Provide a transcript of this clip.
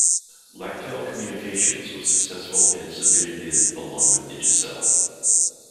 Laqtel Communications was successful in its submitted bid along with Digicel.